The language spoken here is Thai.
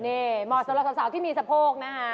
นี่เหมาะสำหรับสาวที่มีสะโพกนะคะ